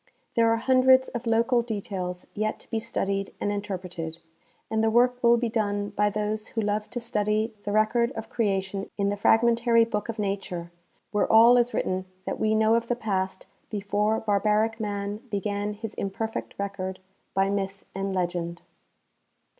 There are hundreds of local details yet to be studied and in terpreted, and the work will be done by those who love to study the record of creation in the fragmentary book of nature, where all is written that we know of the past before barbaric man began his imperfect record by myth and legend.